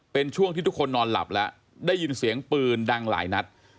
เป็นช่วงที่ทุกคนนอนหลับแล้วได้ยินเสียงปืนดังหลายนัด